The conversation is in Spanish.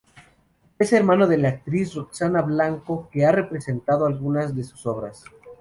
Es hermano de la actriz Roxana Blanco, que ha representado algunas de sus obras.